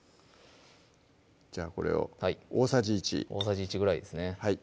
じゃあこれを大さじ１大さじ１ぐらいですね